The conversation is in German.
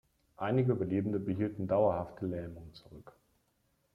Einige Überlebende behielten dauerhafte Lähmungen zurück.